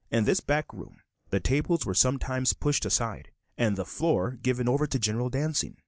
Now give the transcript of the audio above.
In this back room the tables were sometimes pushed aside, and the floor given over to general dancing.